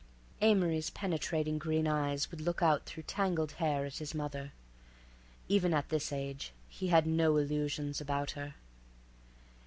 Amory's penetrating green eyes would look out through tangled hair at his mother. Even at this age he had no illusions about her.